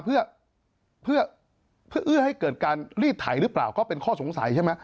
เพื่อให้เกิดการรีดไถหรือเปล่าก็เป็นข้อสงสัยใช่ไหม